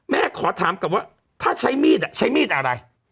ขอถามกลับว่าถ้าใช้มีดใช้มีดอะไร